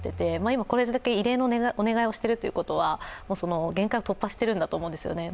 今、これだけ異例のお願いをしているということは限界を突破しているんだと思うんですよね。